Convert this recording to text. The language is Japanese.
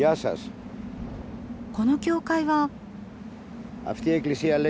この教会は？